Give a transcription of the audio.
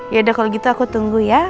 yaudah kalau gitu aku tunggu ya